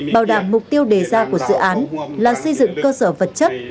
bảo đảm mục tiêu đề ra của dự án là xây dựng cơ sở vật chất